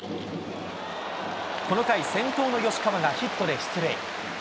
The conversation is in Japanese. この回、先頭の吉川がヒットで出塁。